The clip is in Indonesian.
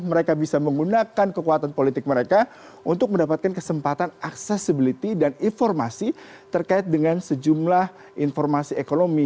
mereka bisa menggunakan kekuatan politik mereka untuk mendapatkan kesempatan accessibility dan informasi terkait dengan sejumlah informasi ekonomi